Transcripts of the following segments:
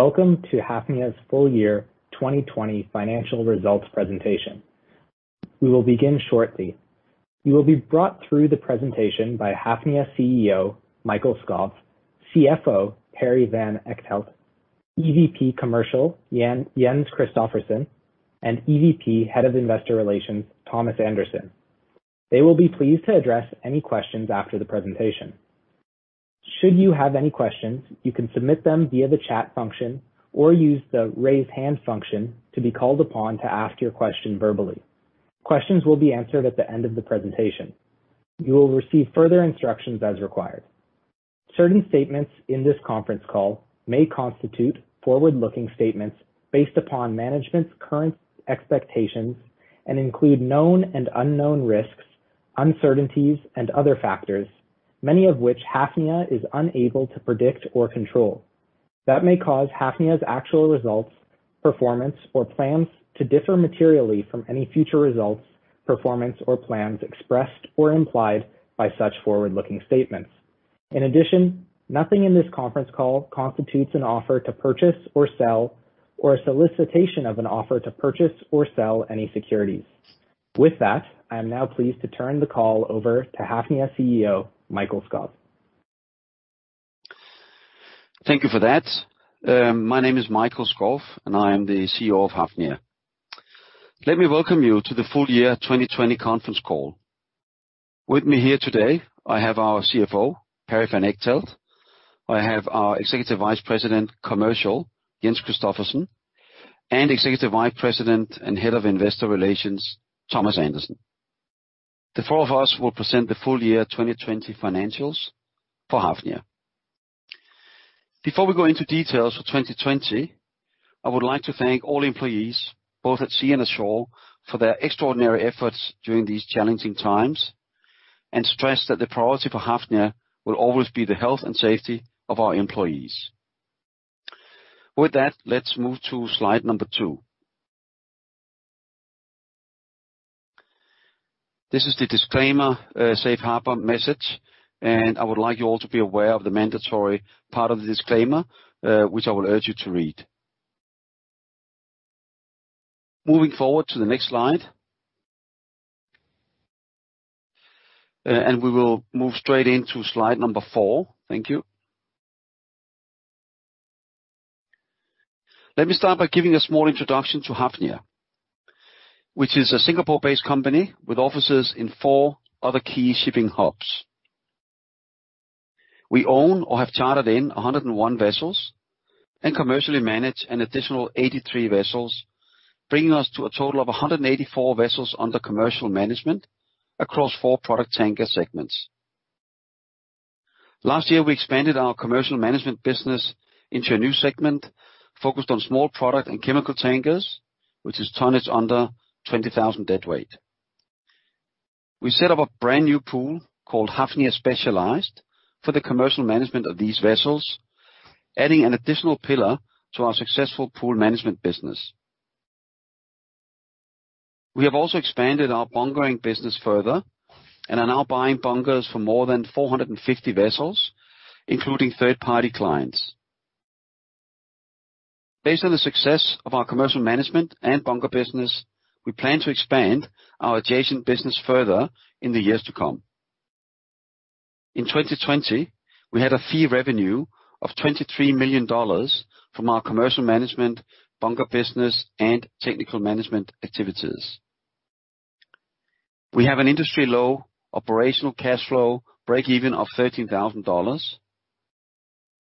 Welcome to Hafnia's full year 2020 financial results presentation. We will begin shortly. You will be brought through the presentation by Hafnia CEO, Mikael Skov, CFO, Perry van Echtelt, EVP Commercial, Jens Christophersen, and EVP, Head of Investor Relations, Thomas Andersen. They will be pleased to address any questions after the presentation. Should you have any questions, you can submit them via the chat function or use the raise hand function to be called upon to ask your question verbally. Questions will be answered at the end of the presentation. You will receive further instructions as required. Certain statements in this conference call may constitute forward-looking statements based upon management's current expectations and include known and unknown risks, uncertainties, and other factors, many of which Hafnia is unable to predict or control. That may cause Hafnia's actual results, performance, or plans to differ materially from any future results, performance, or plans expressed or implied by such forward-looking statements. In addition, nothing in this conference call constitutes an offer to purchase or sell, or a solicitation of an offer to purchase or sell any securities. With that, I am now pleased to turn the call over to Hafnia CEO, Mikael Skov. Thank you for that. My name is Mikael Skov, and I am the CEO of Hafnia. Let me welcome you to the full year 2020 conference call. With me here today, I have our CFO, Perry van Echtelt. I have our Executive Vice President, Commercial, Jens Christophersen, and Executive Vice President and Head of Investor Relations, Thomas Andersen. The four of us will present the full year 2020 financials for Hafnia. Before we go into details for 2020, I would like to thank all employees, both at sea and ashore, for their extraordinary efforts during these challenging times, and stress that the priority for Hafnia will always be the health and safety of our employees. With that, let's move to slide number two. This is the disclaimer, safe harbor message, and I would like you all to be aware of the mandatory part of the disclaimer, which I will urge you to read. Moving forward to the next slide. We will move straight into slide number four. Thank you. Let me start by giving a small introduction to Hafnia, which is a Singapore-based company with offices in four other key shipping hubs. We own or have chartered in 101 vessels and commercially manage an additional 83 vessels, bringing us to a total of 184 vessels under commercial management across four product tanker segments. Last year, we expanded our commercial management business into a new segment focused on small product and chemical tankers, which is tonnage under 20,000 deadweight. We set up a brand new pool called Hafnia Specialized for the commercial management of these vessels, adding an additional pillar to our successful pool management business. We have also expanded our bunkering business further and are now buying bunkers for more than 450 vessels, including third-party clients. Based on the success of our commercial management and bunker business, we plan to expand our adjacent business further in the years to come. In 2020, we had a fee revenue of $23 million from our commercial management, bunker business, and technical management activities. We have an industry-low operational cash flow break-even of $13,000.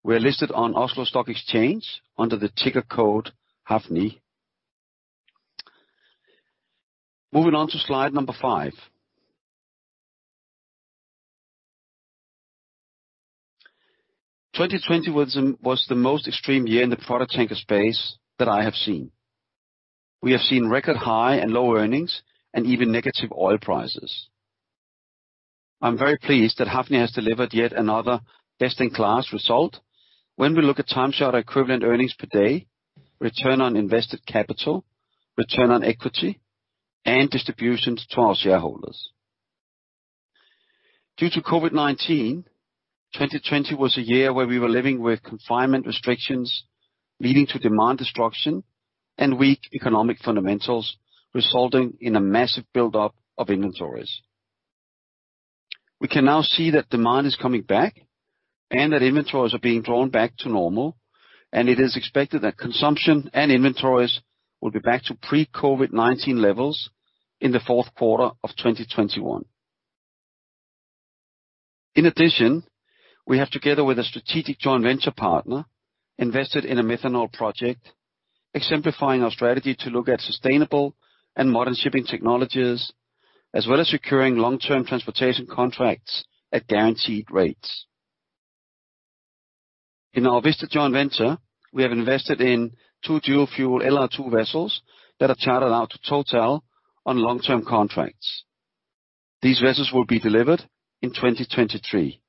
We are listed on Oslo Stock Exchange under the ticker code HAFNI. Moving on to slide number five. 2020 was the most extreme year in the product tanker space that I have seen. We have seen record high and low earnings and even negative oil prices. I'm very pleased that Hafnia has delivered yet another best-in-class result when we look at time charter equivalent earnings per day, return on invested capital, return on equity, and distributions to our shareholders. Due to COVID-19, 2020 was a year where we were living with confinement restrictions, leading to demand destruction and weak economic fundamentals, resulting in a massive buildup of inventories. We can now see that demand is coming back and that inventories are being drawn back to normal, and it is expected that consumption and inventories will be back to pre-COVID-19 levels in the fourth quarter of 2021. In addition, we have together with a strategic joint venture partner, invested in a methanol project, exemplifying our strategy to look at sustainable and modern shipping technologies, as well as securing long-term transportation contracts at guaranteed rates. In our Vista joint venture, we have invested in two dual-fuel LR2 vessels that are chartered out to Total on long-term contracts. These vessels will be delivered in 2023.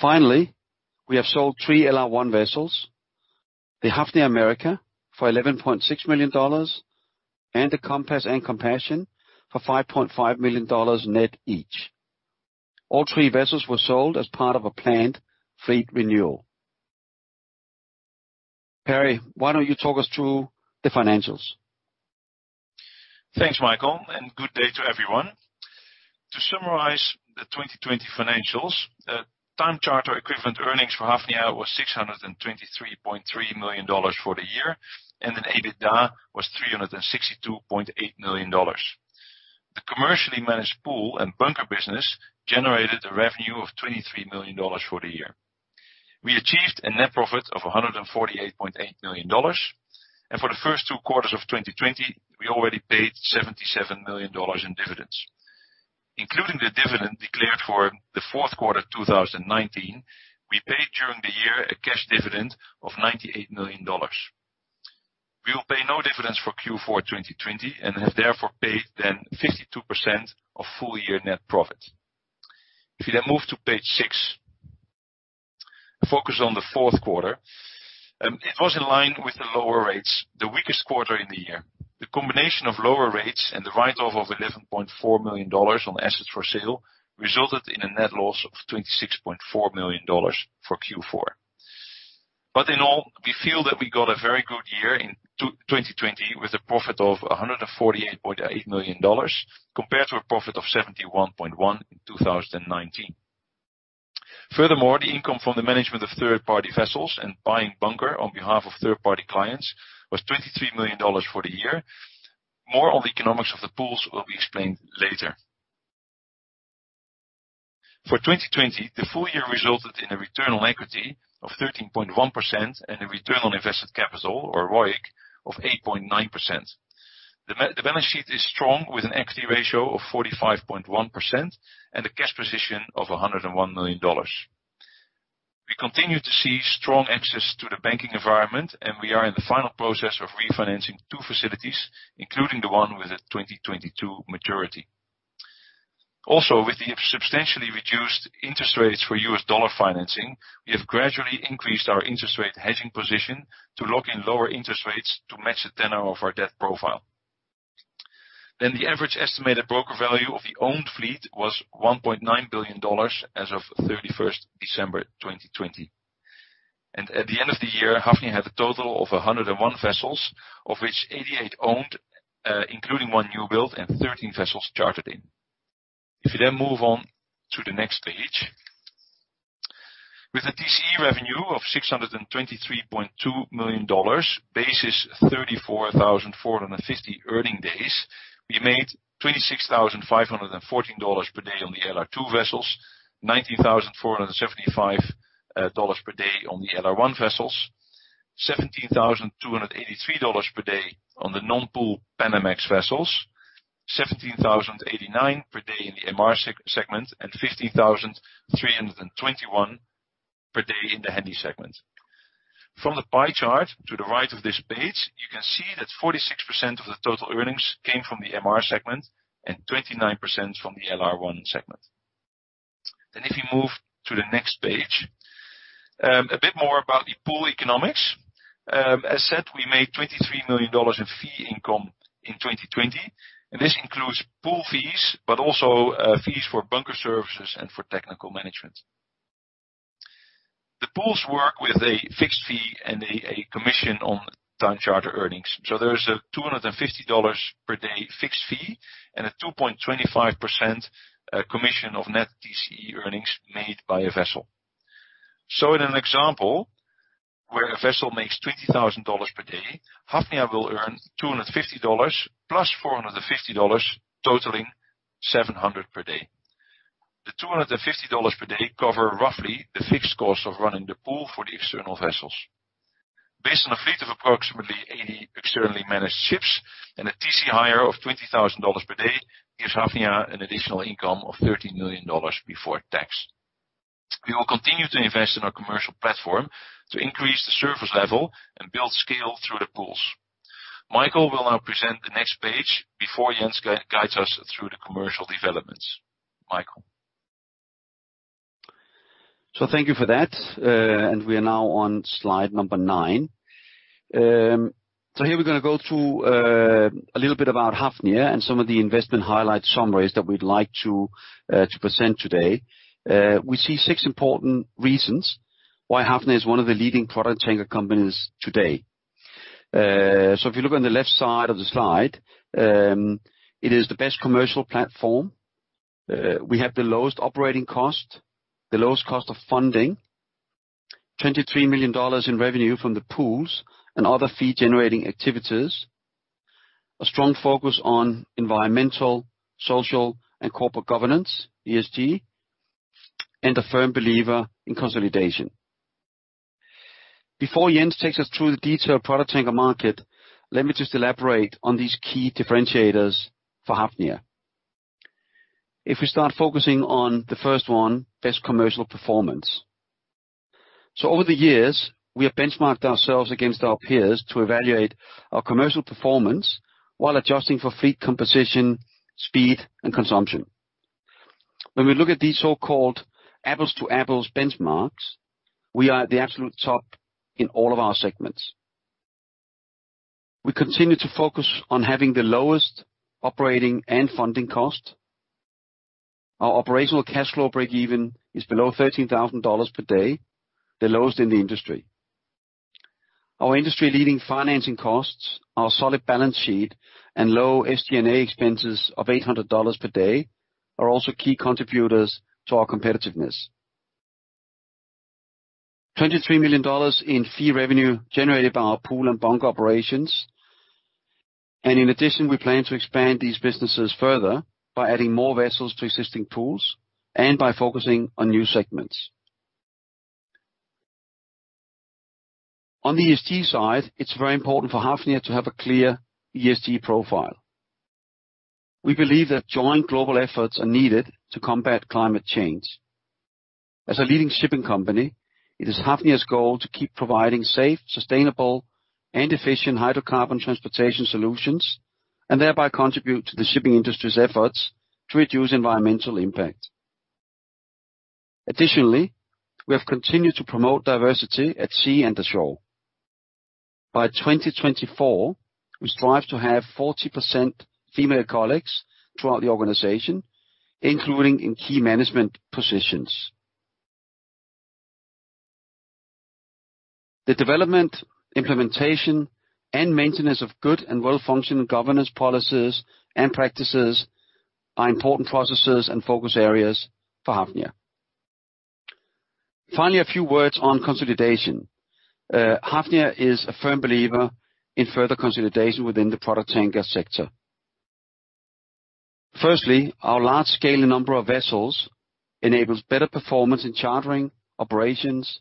Finally, we have sold three LR1 vessels, the Hafnia America for $11.6 million and the Compass and Compassion for $5.5 million net each. All three vessels were sold as part of a planned fleet renewal. Perry, why don't you talk us through the financials? Thanks, Mikael, and good day to everyone. To summarize the 2020 financials, time charter equivalent earnings for Hafnia was $623.3 million for the year, and then EBITDA was $362.8 million. The commercially managed pool and bunker business generated a revenue of $23 million for the year. We achieved a net profit of $148.8 million. For the first two quarters of 2020, we already paid $77 million in dividends. Including the dividend declared for the fourth quarter 2019, we paid during the year a cash dividend of $98 million. We will pay no dividends for Q4 2020 and have therefore paid then 52% of full year net profit. If you then move to page six, focus on the fourth quarter. It was in line with the lower rates, the weakest quarter in the year. The combination of lower rates and the write-off of $11.4 million on assets for sale resulted in a net loss of $26.4 million for Q4. In all, we feel that we got a very good year in 2020 with a profit of $148.8 million, compared to a profit of $71.1 million in 2019. Furthermore, the income from the management of third-party vessels and buying bunker on behalf of third-party clients was $23 million for the year. More on the economics of the pools will be explained later. For 2020, the full year resulted in a return on equity of 13.1% and a return on invested capital, or ROIC, of 8.9%. The balance sheet is strong with an equity ratio of 45.1% and a cash position of $101 million. We continue to see strong access to the banking environment, and we are in the final process of refinancing two facilities, including the one with a 2022 maturity. Also, with the substantially reduced interest rates for U.S. dollar financing, we have gradually increased our interest rate hedging position to lock in lower interest rates to match the tenor of our debt profile. The average estimated broker value of the owned fleet was $1.9 billion as of 31st December 2020. At the end of the year, Hafnia had a total of 101 vessels, of which 88 owned, including one new build and 13 vessels chartered in. If you then move on to the next page. With a TCE revenue of $623.2 million, basis 34,450 earning days, we made $26,514 per day on the LR2 vessels, $19,475 per day on the LR1 vessels, $17,283 per day on the non-pool Panamax vessels, $17,089 per day in the MR segment, and $15,321 per day in the Handy segment. From the pie chart to the right of this page, you can see that 46% of the total earnings came from the MR segment and 29% from the LR1 segment. If you move to the next page. A bit more about the pool economics. As said, we made $23 million in fee income in 2020, and this includes pool fees, but also fees for bunker services and for technical management. The pools work with a fixed fee and a commission on time charter earnings. There is a $250 per day fixed fee and a 2.25% commission of net TCE earnings made by a vessel. In an example where a vessel makes $20,000 per day, Hafnia will earn $250 plus $450, totaling $700 per day. The $250 per day cover roughly the fixed cost of running the pool for the external vessels. Based on a fleet of approximately 80 externally managed ships and a TCE hire of $20,000 per day gives Hafnia an additional income of $13 million before tax. We will continue to invest in our commercial platform to increase the service level and build scale through the pools. Mikael will now present the next page before Jens guides us through the commercial developments. Mikael. Thank you for that. We are now on slide number nine. Here we're going to go through a little bit about Hafnia and some of the investment highlight summaries that we'd like to present today. We see six important reasons why Hafnia is one of the leading product tanker companies today. If you look on the left side of the slide, it is the best commercial platform. We have the lowest operating cost, the lowest cost of funding, $23 million in revenue from the pools and other fee-generating activities. A strong focus on environmental, social, and corporate governance, ESG, and a firm believer in consolidation. Before Jens takes us through the detailed product tanker market, let me just elaborate on these key differentiators for Hafnia. If we start focusing on the first one, best commercial performance. Over the years, we have benchmarked ourselves against our peers to evaluate our commercial performance while adjusting for fleet composition, speed, and consumption. When we look at these so-called apples to apples benchmarks, we are at the absolute top in all of our segments. We continue to focus on having the lowest operating and funding cost. Our operational cash flow breakeven is below $13,000 per day, the lowest in the industry. Our industry leading financing costs, our solid balance sheet and low SG&A expenses of $800 per day are also key contributors to our competitiveness. $23 million in fee revenue generated by our pool and bunker operations. In addition, we plan to expand these businesses further by adding more vessels to existing pools and by focusing on new segments. On the ESG side, it is very important for Hafnia to have a clear ESG profile. We believe that joint global efforts are needed to combat climate change. As a leading shipping company, it is Hafnia's goal to keep providing safe, sustainable and efficient hydrocarbon transportation solutions, and thereby contribute to the shipping industry's efforts to reduce environmental impact. Additionally, we have continued to promote diversity at sea and at shore. By 2024, we strive to have 40% female colleagues throughout the organization, including in key management positions. The development, implementation and maintenance of good and well-functioning governance policies and practices are important processes and focus areas for Hafnia. Finally, a few words on consolidation. Hafnia is a firm believer in further consolidation within the product tanker sector. Firstly, our large scale and number of vessels enables better performance in chartering, operations,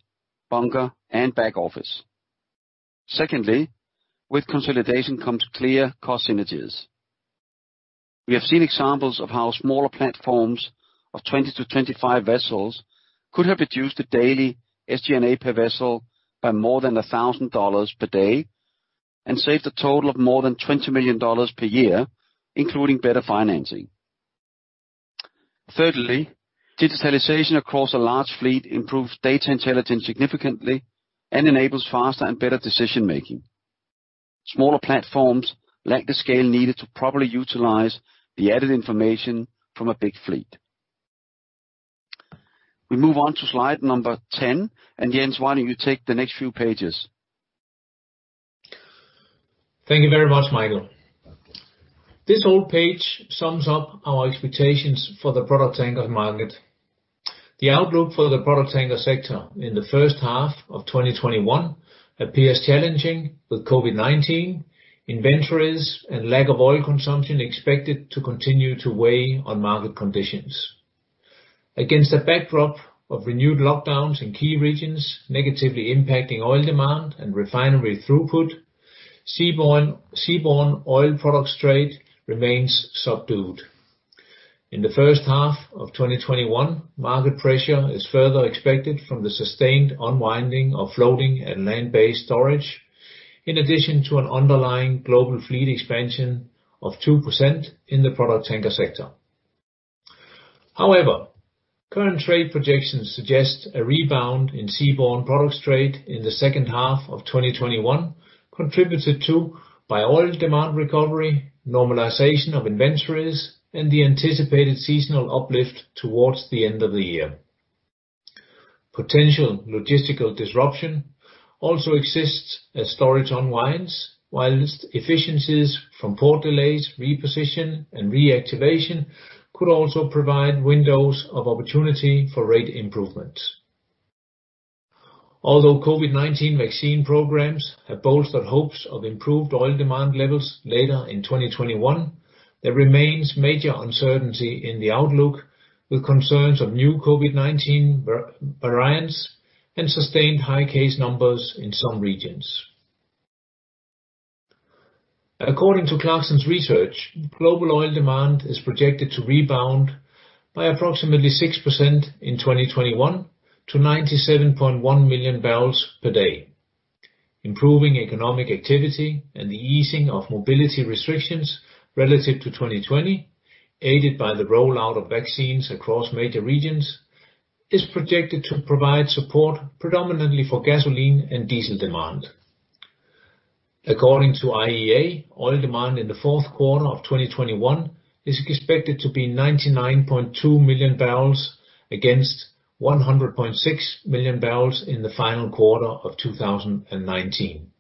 bunker and back office. Secondly, with consolidation comes clear cost synergies. We have seen examples of how smaller platforms of 20-25 vessels could have reduced the daily SG&A per vessel by more than $1,000 per day and saved a total of more than $20 million per year, including better financing. Thirdly, digitalization across a large fleet improves data intelligence significantly and enables faster and better decision making. Smaller platforms lack the scale needed to properly utilize the added information from a big fleet. We move on to slide number 10, and Jens, why don't you take the next few pages? Thank you very much, Mikael. This whole page sums up our expectations for the product tanker market. The outlook for the product tanker sector in the first half of 2021 appears challenging with COVID-19 inventories and lack of oil consumption expected to continue to weigh on market conditions. Against a backdrop of renewed lockdowns in key regions, negatively impacting oil demand and refinery throughput, seaborne oil product trade remains subdued. In the first half of 2021, market pressure is further expected from the sustained unwinding of floating and land-based storage, in addition to an underlying global fleet expansion of 2% in the product tanker sector. However, current trade projections suggest a rebound in seaborne product trade in the second half of 2021 contributed to by oil demand recovery, normalization of inventories, and the anticipated seasonal uplift towards the end of the year. Potential logistical disruption also exists as storage unwinds, while efficiencies from port delays, reposition and reactivation could also provide windows of opportunity for rate improvements. Although COVID-19 vaccine programs have bolstered hopes of improved oil demand levels later in 2021, there remains major uncertainty in the outlook with concerns of new COVID-19 variants and sustained high case numbers in some regions. According to Clarksons Research, global oil demand is projected to rebound by approximately 6% in 2021 to 97.1 million barrels per day. Improving economic activity and the easing of mobility restrictions relative to 2020, aided by the rollout of vaccines across major regions, is projected to provide support predominantly for gasoline and diesel demand. According to IEA, oil demand in the fourth quarter of 2021 is expected to be 99.2 million barrels against 100.6 million barrels in the final quarter of 2019.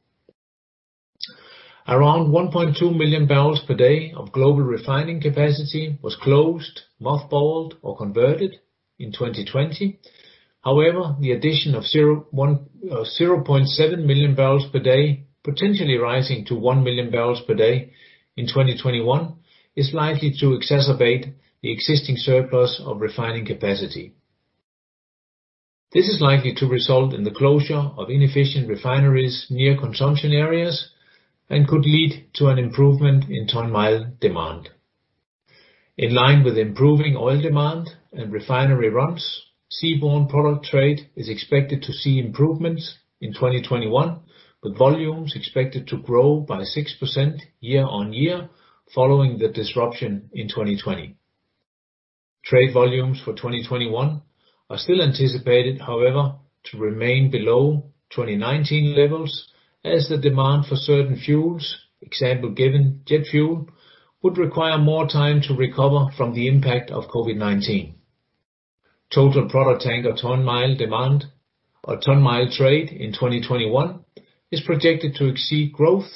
Around 1.2 million barrels per day of global refining capacity was closed, mothballed or converted in 2020. The addition of 0.7 million barrels per day, potentially rising to 1 million barrels per day in 2021, is likely to exacerbate the existing surplus of refining capacity. This is likely to result in the closure of inefficient refineries near consumption areas and could lead to an improvement in ton-mile demand. In line with improving oil demand and refinery runs, seaborne product trade is expected to see improvements in 2021, with volumes expected to grow by 6% year-on-year following the disruption in 2020. Trade volumes for 2021 are still anticipated, however, to remain below 2019 levels as the demand for certain fuels, example given jet fuel, would require more time to recover from the impact of COVID-19. Total product tanker ton-mile demand or ton-mile trade in 2021 is projected to exceed growth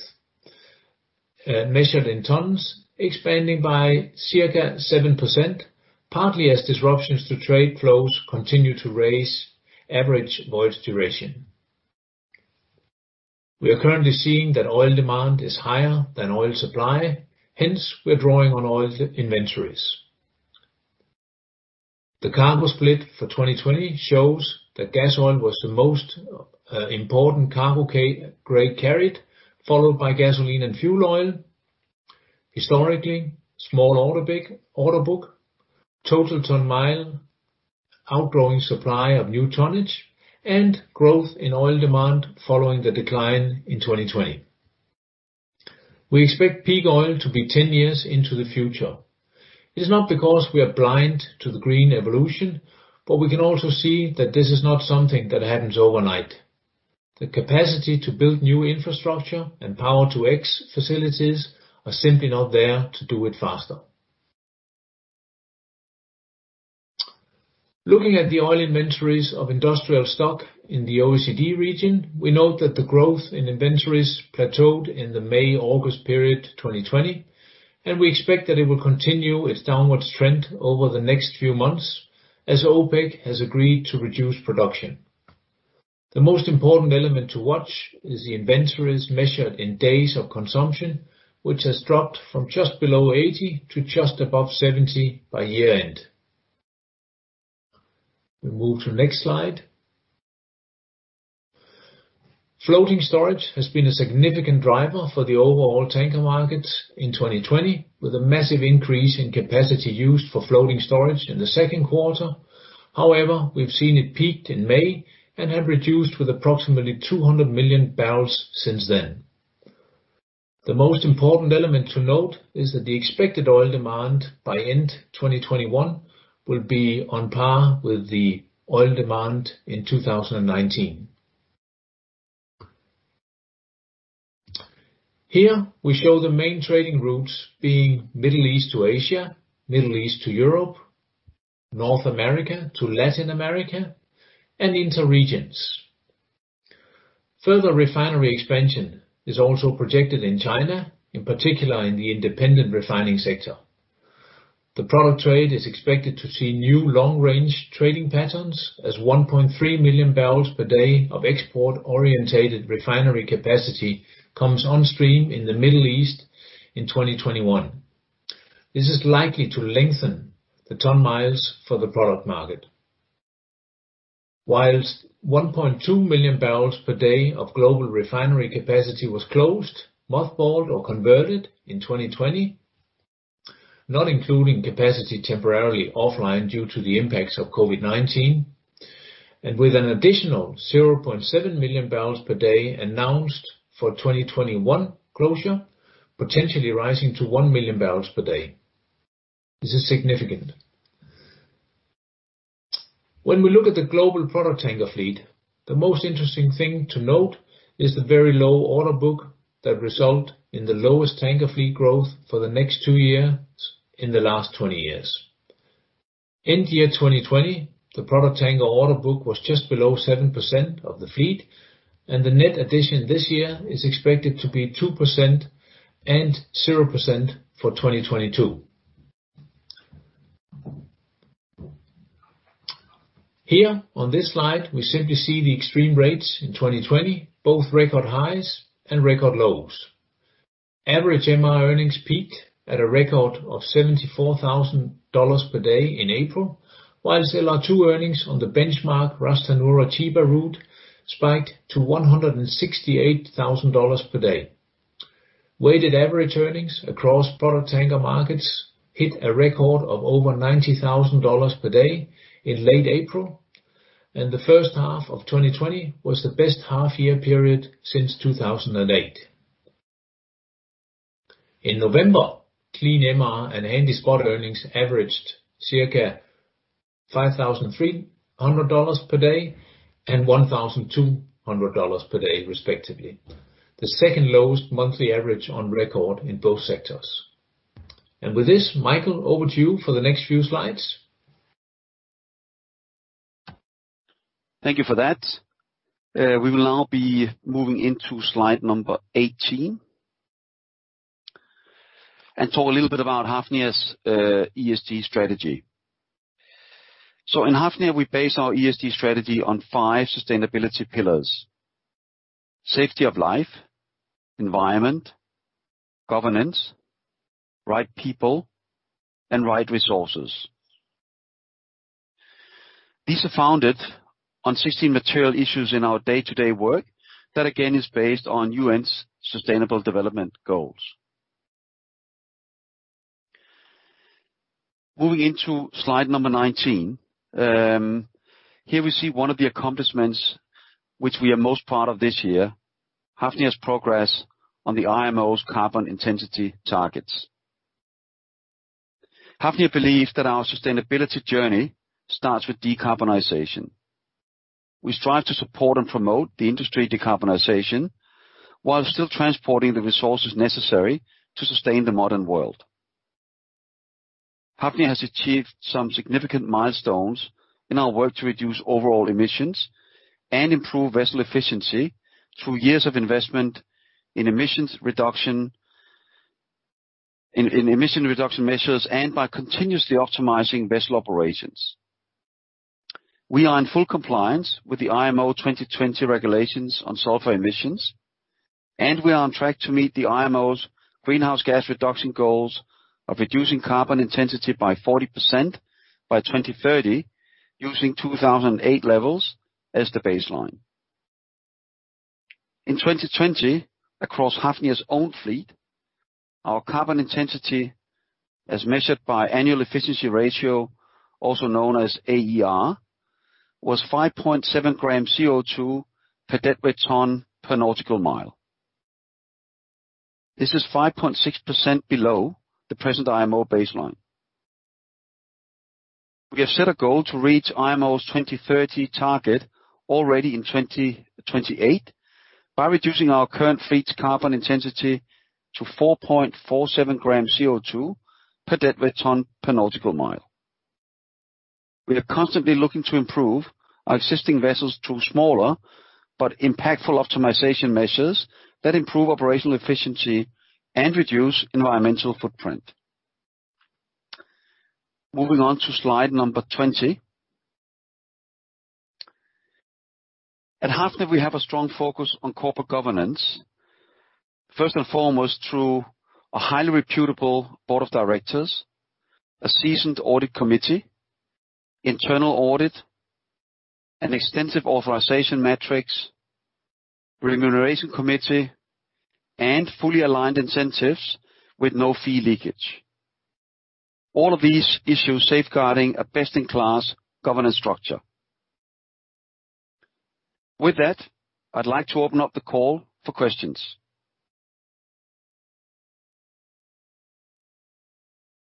measured in tons, expanding by circa 7%, partly as disruptions to trade flows continue to raise average voyage duration. We are currently seeing that oil demand is higher than oil supply, hence we're drawing on oil inventories. The cargo split for 2020 shows that gas oil was the most important cargo grade carried, followed by gasoline and fuel oil. Historically, small order book, total ton-mile outgrowing supply of new tonnage and growth in oil demand following the decline in 2020. We expect peak oil to be 10 years into the future. It is not because we are blind to the green evolution, but we can also see that this is not something that happens overnight. The capacity to build new infrastructure and Power-to-X facilities are simply not there to do it faster. Looking at the oil inventories of industrial stock in the OECD region, we note that the growth in inventories plateaued in the May, August period 2020, and we expect that it will continue its downwards trend over the next few months as OPEC has agreed to reduce production. The most important element to watch is the inventories measured in days of consumption, which has dropped from just below 80 to just above 70 by year-end. We move to next slide. Floating storage has been a significant driver for the overall tanker markets in 2020, with a massive increase in capacity used for floating storage in the second quarter. However, we've seen it peaked in May and have reduced with approximately 200 million barrels since then. The most important element to note is that the expected oil demand by end 2021 will be on par with the oil demand in 2019. Here, we show the main trading routes being Middle East to Asia, Middle East to Europe, North America to Latin America, and inter-regions. Further refinery expansion is also projected in China, in particular in the independent refining sector. The product trade is expected to see new long range trading patterns as 1.3 million barrels per day of export-orientated refinery capacity comes on stream in the Middle East in 2021. This is likely to lengthen the ton-miles for the product market. Whilst 1.2 million barrels per day of global refinery capacity was closed, mothballed or converted in 2020, not including capacity temporarily offline due to the impacts of COVID-19, and with an additional 0.7 million barrels per day announced for 2021 closure, potentially rising to 1 million barrels per day. This is significant. When we look at the global product tanker fleet, the most interesting thing to note is the very low order book that result in the lowest tanker fleet growth for the next two years in the last 20 years. End year 2020, the product tanker order book was just below 7% of the fleet, the net addition this year is expected to be 2% and 0% for 2022. Here on this slide, we simply see the extreme rates in 2020, both record highs and record lows. Average MR earnings peaked at a record of $74,000 per day in April, whilst LR2 earnings on the benchmark Ras Tanura-Chiba route spiked to $168,000 per day. Weighted average earnings across product tanker markets hit a record of over $90,000 per day in late April, the first half of 2020 was the best half-year period since 2008. In November, clean MR and Handy spot earnings averaged circa $5,300 per day and $1,200 per day, respectively, the second lowest monthly average on record in both sectors. With this, Mikael, over to you for the next few slides. Thank you for that. We will now be moving into slide number 18 and talk a little bit about Hafnia's ESG strategy. In Hafnia, we base our ESG strategy on five sustainability pillars: safety of life, environment, governance, right people, and right resources. These are founded on 16 material issues in our day-to-day work that, again, is based on UN's sustainable development goals. Moving into slide number 19. Here we see one of the accomplishments which we are most proud of this year, Hafnia's progress on the IMO's carbon intensity targets. Hafnia believes that our sustainability journey starts with decarbonization. We strive to support and promote the industry decarbonization, while still transporting the resources necessary to sustain the modern world. Hafnia has achieved some significant milestones in our work to reduce overall emissions and improve vessel efficiency through years of investment in emission reduction measures and by continuously optimizing vessel operations. We are in full compliance with the IMO 2020 regulations on sulfur emissions, and we are on track to meet the IMO's greenhouse gas reduction goals of reducing carbon intensity by 40% by 2030, using 2008 levels as the baseline. In 2020, across Hafnia's own fleet, our carbon intensity, as measured by annual efficiency ratio, also known as AER, was 5.7 grams CO2 per deadweight ton per nautical mile. This is 5.6% below the present IMO baseline. We have set a goal to reach IMO's 2030 target already in 2028 by reducing our current fleet's carbon intensity to 4.47 grams CO2 per deadweight ton per nautical mile. We are constantly looking to improve our existing vessels through smaller but impactful optimization measures that improve operational efficiency and reduce environmental footprint. Moving on to slide number 20. At Hafnia, we have a strong focus on corporate governance, first and foremost through a highly reputable Board of Directors, a seasoned Audit Committee, Internal Audit, an extensive authorization matrix, Remuneration Committee, and fully aligned incentives with no fee leakage. All of these issues safeguarding a best-in-class governance structure. With that, I'd like to open up the call for questions.